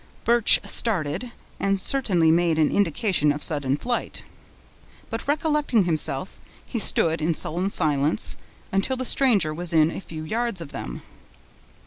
Birch started, and certainly made an indication of sudden flight; but recollecting himself, he stood, in sullen silence, until the stranger was within a few yards of them.